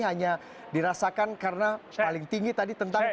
hanya dirasakan karena paling tinggi tadi tentang